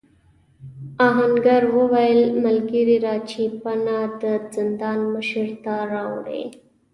آهنګر وویل ملګري دا چپنه د زندان مشر ته راوړې.